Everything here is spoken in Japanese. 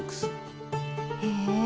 へえ！